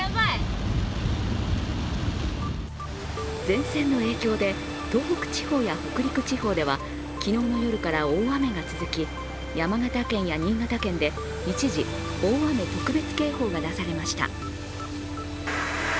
前線の影響で東北地方や北陸地方では昨日の夜から大雨が続き山形県や新潟県で一時、大雨特別警報が出されました